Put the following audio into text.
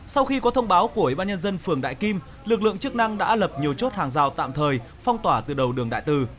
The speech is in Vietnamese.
sau khi có thông báo của ubnd phường đại kim lực lượng chức năng đã lập nhiều chốt hàng rào tạm thời phong tỏa từ đầu đường đại tử